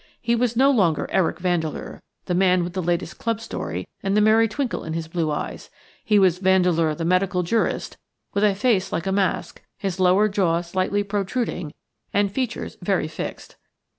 He was no longer Eric Vandeleur, the man with the latest club story and the merry twinkle in his blue eyes: he was Vandeleur the medical jurist, with a face like a mask, his lower jaw slightly protruding and features very fixed.